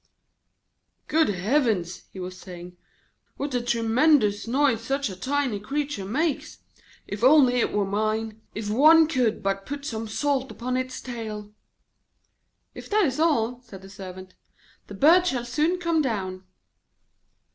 'Good heavens!' he was saying, 'what a tremendous noise such a tiny creature makes. If only it were mine! If one could but put some salt upon its tail!' 'If that is all,' said the Servant, 'the bird shall soon come down.'